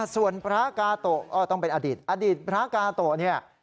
ส่วนพระกาโตะก็ต้องเป็นอดีตอดีตพระกาโตะเนี่ย